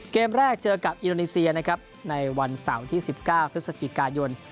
เกมแรกเจอกับอินโดนีเซียนะครับในวันเสาร์ที่๑๙พฤศจิกายน